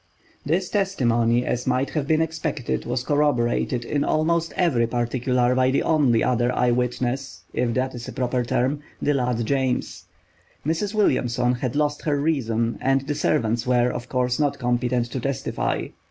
This testimony, as might have been expected, was corroborated in almost every particular by the only other eye witness (if that is a proper term)—the lad James. Mrs. Williamson had lost her reason and the servants were, of course, not competent to testify.